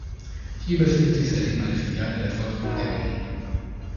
Hier befindet sich seitdem eine Filiale der Volksbank Demmin.